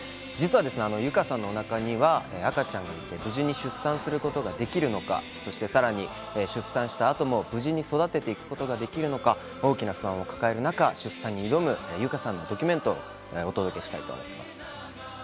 実は由佳さんのお腹には赤ちゃんがいて、無事に出産することができるのか、そしてさらに、出産した後も無事に育てていくことができるのか、大きな不安を抱える中、出産に挑む由佳さんのドキュメントをお届けしたいと思います。